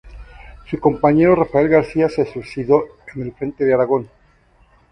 Su compañero Rafael García se suicidó en el frente de Aragón.